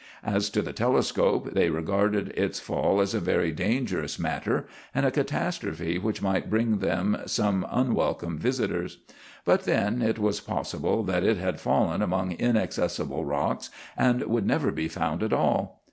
As to the telescope, they regarded its fall as a very dangerous matter, and a catastrophe which might bring them some unwelcome visitors. But, then, it was possible that it had fallen among inaccessible rocks, and would never be found at all.